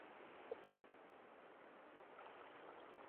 Mark es Vice-Presidente de Uncle Louie Music Group.